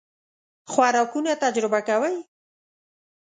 خوراکونه تجربه کوئ؟